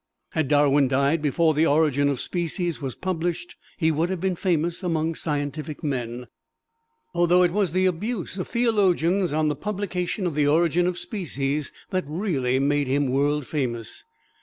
Had Darwin died before "The Origin of Species" was published, he would have been famous among scientific men, although it was the abuse of theologians on the publication of "The Origin of Species" that really made him world famous.